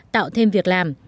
tạo thêm việc làm